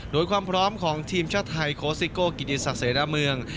โดยความพร้อมของทีมชาติไทยโค้ซิโก้กิติศักดิเสนาเมือง